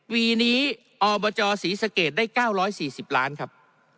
วีนี้อบจศรีสะเกดได้๙๔๐ล้านครับ